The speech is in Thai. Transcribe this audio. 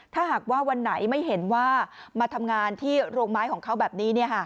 ถ้าหากว่าวันไหนไม่เห็นว่ามาทำงานที่โรงไม้ของเขาแบบนี้